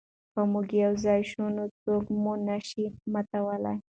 که موږ یو ځای شو نو څوک مو نه شي ماتولی.